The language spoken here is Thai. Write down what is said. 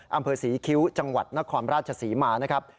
อำเภอศรีคิ้วจังหวัดนครราชศรีมานะครับ